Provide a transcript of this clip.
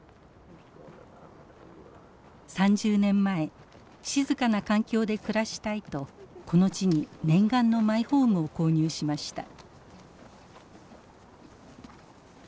３０年前静かな環境で暮らしたいとこの地に念願のマイホームを購入しました。